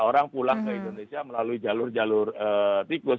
orang pulang ke indonesia melalui jalur jalur tikus